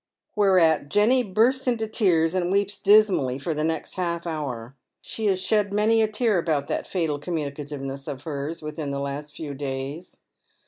Whereat Jenny bursts into tears and weeps dismally for the ,iiext half hour. She has shed many a tear about that fatal com tiunicativeness of hers within the last few days.